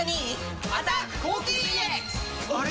あれ？